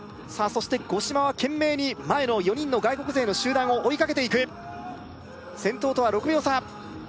そして五島は懸命に前の４人の外国勢の集団を追いかけていく先頭とは６秒差